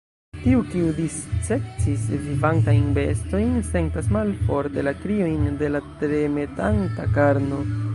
Tiu, kiu dissekcis vivantajn bestojn, sentas malforte la kriojn de la tremetanta karno.